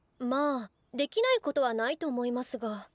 まあできないことはないと思いますが。